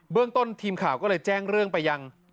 เรื่องต้นทีมข่าวก็เลยแจ้งเรื่องไปยัง